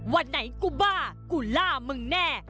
วันไหนกูบ้ากูล่ามึงแน่